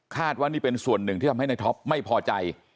ว่านี่เป็นส่วนหนึ่งที่ทำให้ในท็อปไม่พอใจ